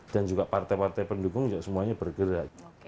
dan juga partai partai pendukung semuanya bergerak